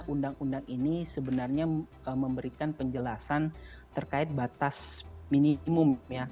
undang undang ini sebenarnya memberikan penjelasan terkait batas minimum